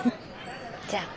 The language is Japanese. じゃあ。